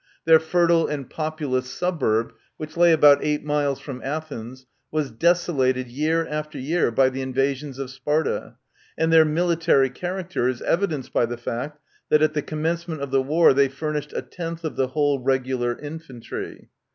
Their fertile and populous suburb, which lay about eight miles from Athens, was desolated year after year by the invasions of Sparta ; and their military character is evidenced by the fact that at the commence ment of the war they furnished a tenth of the whole regular infantry.